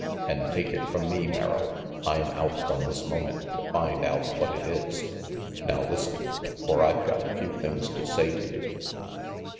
And take it from me, Merrill, I am out from this minute to find out what it is. Now listen, for I've got a few things to say to you.